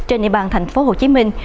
trên địa bàn thành phố hồ chí minh